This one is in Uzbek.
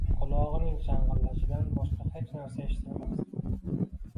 Qulog`ining shang`illashidan boshqa hech narsa eshitmasdi